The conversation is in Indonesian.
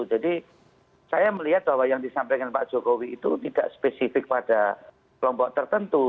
jadi saya melihat bahwa yang disampaikan pak jokowi itu tidak spesifik pada kelompok tertentu